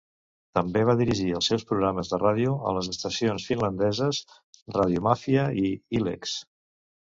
També va dirigir els seus programes de ràdio a les estacions finlandeses "Radiomafia" i "YleX".